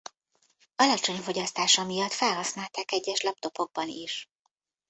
Alacsony fogyasztása miatt felhasználták egyes laptopokban is.